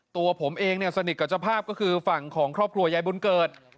ตัวผมเองเนี่ยสนิทกับเจ้าภาพก็คือฝั่งของครอบครัวยายบุญเกิด